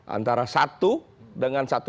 antara satu dengan satu